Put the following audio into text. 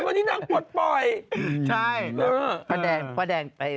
บางอย่างกดทับคิดไหมฉันเห็นว่านี่นั่งกดป่อย